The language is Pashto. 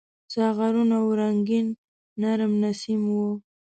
ساغرونه وو رنګین ، نرم نسیم و